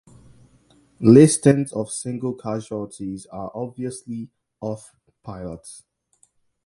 Listings of single casualties are obviously of pilots.